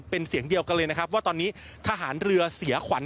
เป็นเสียงเดียวกันเลยนะครับว่าตอนนี้ทหารเรือเสียขวัญ